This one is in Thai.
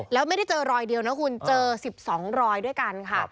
แล้วไม่ได้เจอรอยเดียวนะคุณเจอ๑๒รอยด้วยกันค่ะ